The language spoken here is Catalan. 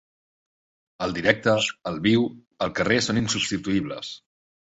El directe, el viu, el carrer són insubstituïbles.